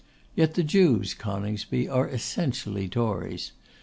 Yet the Jews, Coningsby, are essentially Tories.